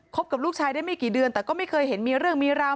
กับลูกชายได้ไม่กี่เดือนแต่ก็ไม่เคยเห็นมีเรื่องมีราว